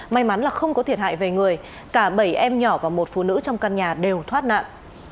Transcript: may mắn là không có thiệt hại về người cả bảy em nhỏ và một phụ nữ trong căn nhà đều thoát nạn